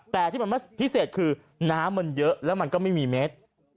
แต่ที่มันพิเศษคือน้ำมันเยอะแล้วมันก็ไม่มีเม็ด